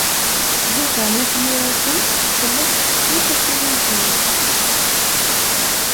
Ẓuhṛa n At Yiraten tella tettettu tasiwant-nnes.